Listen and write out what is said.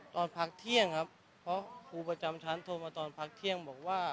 ตอนพักเที่ยงครับเพราะครูประจำชั้นโทรมาตอนพักเที่ยงบอกว่า